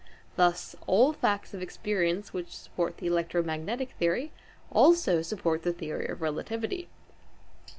Thus all facts of experience which support the electromagnetic theory also support the theory of relativity.